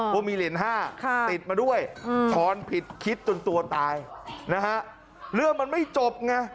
ว่ามีเหรียญ๕ติดมาด้วยช้อนผิดคิดจนตัวตายนะฮะเรื่องมันไม่จบไง